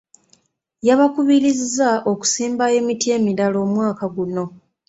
Yabakubirizza okusimba emiti emirala omwaka guno.